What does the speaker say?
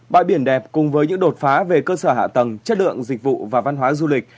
bãi biển đẹp cùng với những đột phá về cơ sở hạ tầng chất lượng dịch vụ và văn hóa du lịch